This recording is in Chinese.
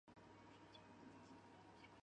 天经地义不是吗？